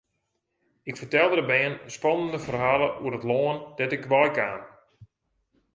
Ik fertelde de bern spannende ferhalen oer it lân dêr't ik wei kaam.